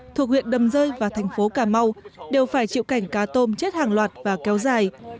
thuộc huyện đầm rơi và thành phố cà mau đều phải chịu cảnh cá tôm chết hàng loạt và kéo dài